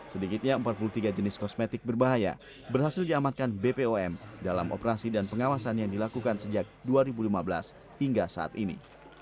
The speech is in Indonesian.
sedikitnya empat puluh tiga jenis kosmetik berbahaya berhasil diamankan bpom dalam operasi dan pengawasan yang dilakukan sejak dua ribu lima belas hingga saat ini